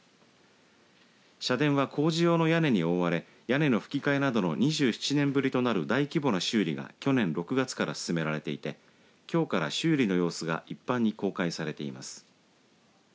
社殿は工事用の屋根に覆われ屋根のふき替えなどの２７年ぶりとなる大規模な修理が去年６月から進めれていてきょうから修理の様子が一般に公開されています。